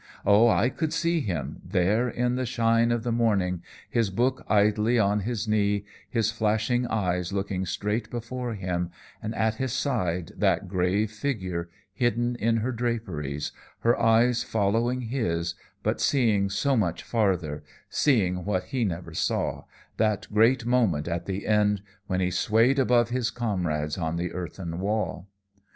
Oh, I could see him, there in the shine of the morning, his book idly on his knee, his flashing eyes looking straight before him, and at his side that grave figure, hidden in her draperies, her eyes following his, but seeing so much farther seeing what he never saw, that great moment at the end, when he swayed above his comrades on the earthen wall.